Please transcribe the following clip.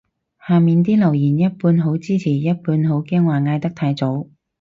下面啲留言一半好支持一半好驚話嗌得太早